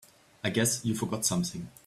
I guess you forgot something.